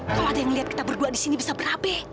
kalau ada yang lihat kita berdua di sini bisa berabe